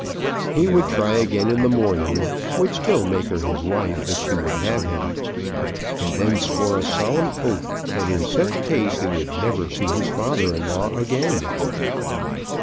He would try again in the morning, would still make her his wife if she would have him! And then swore a solemn oath that in such case he would never see his father in law again.